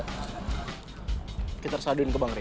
kita harus aduin ke bang rey